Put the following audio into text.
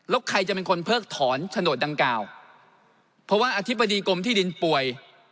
แล้วใครจะเป็นคนเพิกถอนโฉนดดังกล่าวเพราะว่าอธิบดีกรมที่ดินป่วย